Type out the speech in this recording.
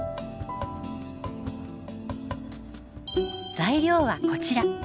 材料はこちら。